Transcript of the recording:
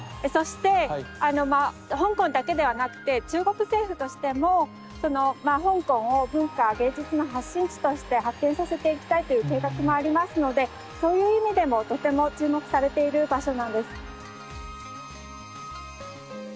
そして香港だけではなくて中国政府としても香港を文化芸術の発信地として発展させていきたいという計画もありますのでそういう意味でもとても注目されている場所なんです。